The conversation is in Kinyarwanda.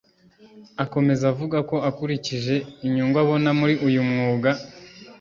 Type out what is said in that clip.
Akomeza avuga ko akurikije inyungu abona muri uyu mwuga